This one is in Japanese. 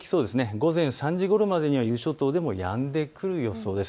午前３時ごろまでに伊豆諸島でもやんでくる予想です。